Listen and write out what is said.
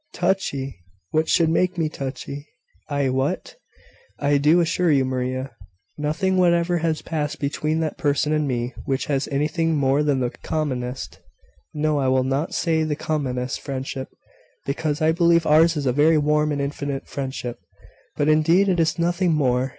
"Touchy! What should make me touchy?" "Ay, what?" "I do assure you, Maria, nothing whatever has passed between that person and me which has anything more than the commonest No, I will not say the commonest friendship, because I believe ours is a very warm and intimate friendship; but indeed it is nothing more.